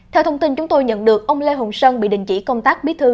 theo thông tin chúng tôi nhận được ông lê hùng sơn bị đình chỉ công tác bí thư